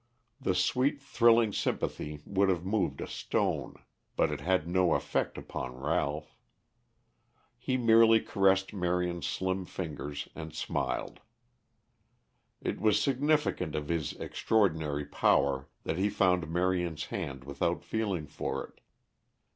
The sweet, thrilling sympathy would have moved a stone, but it had no effect upon Ralph. He merely caressed Marion's slim fingers and smiled. It was significant of his extraordinary power that he found Marion's hand without feeling for it.